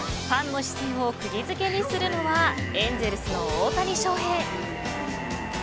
ファンの視線をくぎ付けにするのはエンゼルスの大谷翔平。